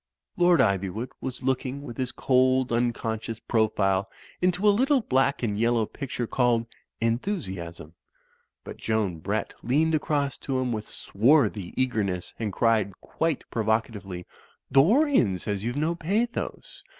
Lord Ivywood was looking with his cold, uncon scious profile into a little black and yellow picture called "Enthusiasm" ; but Joan Brett leaned across to him with swarthy eagerness and cried quite provo catively, "Dorian says youVe no pathos.